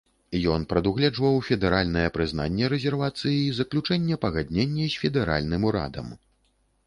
Ён прадугледжваў федэральнае прызнанне рэзервацыі і заключэнне пагаднення з федэральным урадам.